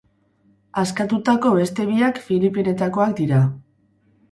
Askatutako beste biak filipinetakoak dira.